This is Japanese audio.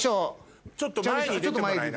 ちょっと前に出てもらいな。